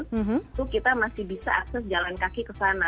itu kita masih bisa akses jalan kaki ke sana